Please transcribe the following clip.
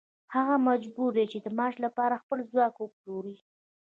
هغه مجبور دی چې د معاش لپاره خپل ځواک وپلوري